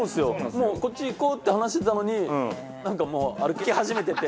もうこっち行こうって話してたのになんか。